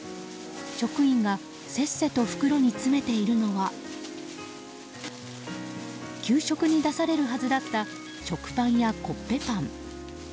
職員がせっせと袋に詰めているのは給食に出されるはずだった食パンやコッペパン。